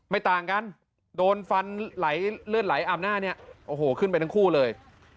ต่างกันโดนฟันไหลเลือดไหลอาบหน้าเนี่ยโอ้โหขึ้นไปทั้งคู่เลย